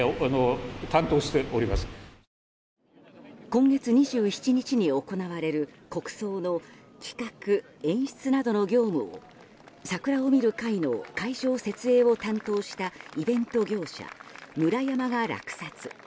今月２７日に行われる国葬の企画・演出などの業務を桜を見る会の会場設営を担当したイベント業者ムラヤマが落札。